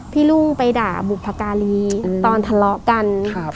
ลุงไปด่าบุพการีตอนทะเลาะกัน